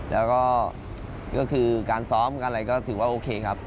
แล้วก็การซ้อมก็ถือว่าโอเคครับ